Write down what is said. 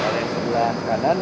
kalau yang sebelah kanan